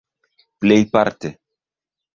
plejparte